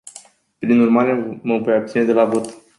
Prin urmare, mă voi abține de la vot.